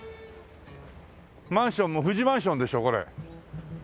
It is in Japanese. マンションも富士マンションでしょこれ。